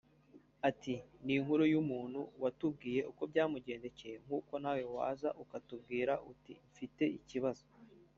Ati “Ni inkuru y’umuntu watubwiye uko byamugendekeye nk’uko nawe waza ukatubwira uti mfite ikibazo